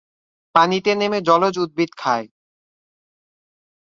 পানিতে নেমে জলজ উদ্ভিদ খায়।